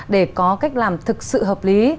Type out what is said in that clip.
để có cách làm thực sự hợp lý